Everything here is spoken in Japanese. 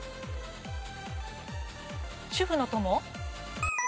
『主婦の友』。